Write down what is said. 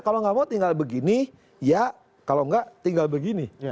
kalau nggak mau tinggal begini ya kalau enggak tinggal begini